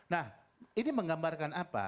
nah ini menggambarkan apa